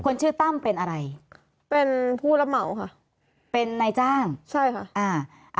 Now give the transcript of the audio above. คนชื่อตั้มเป็นอะไรเป็นผู้รับเหมาค่ะเป็นนายจ้างใช่ค่ะอ่า